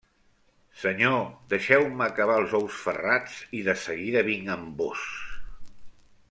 Senyor! deixeu-me acabar els ous ferrats i de seguida vinc amb vós.